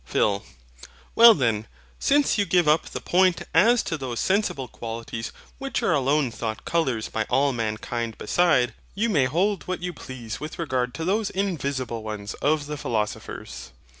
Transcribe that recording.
PHIL. Well then, since you give up the point as to those sensible qualities which are alone thought colours by all mankind beside, you may hold what you please with regard to those invisible ones of the philosophers.